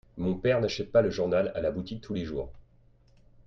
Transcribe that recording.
Mon père n'achète pas le journal à la boutique tous les jours.